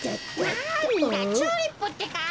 なんだチューリップってか。